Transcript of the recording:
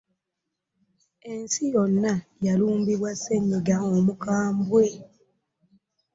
Ensi yonna yalumbibwa ssenyiga omukambwe.